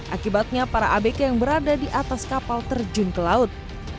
akibatnya para abk yang berada di atas kapal terjun ke laut